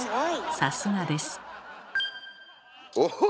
さすがです。